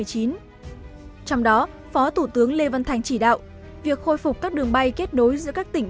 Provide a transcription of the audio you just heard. trong đó phó thủ tướng lê văn thành chỉ đạo việc khôi phục các đường bay kết nối giữa các tỉnh